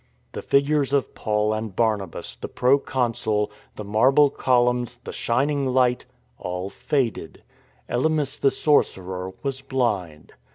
The figures of Paul and Barnabas, the proconsul, the marble columns, the shining light — all faded. Elymas, the sorcerer, was blind.